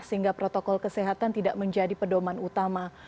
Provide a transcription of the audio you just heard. sehingga protokol kesehatan tidak menjadi pedoman utama